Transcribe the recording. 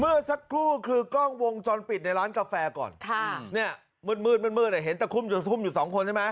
มือสักครู่คือกล้องวงจนปิดในร้านกาแฟก่อนค่ะเนี้ยมืดมืดมืดมืดเห็นแต่ทุ่มอยู่ทุ่มอยู่สองคนใช่ไหม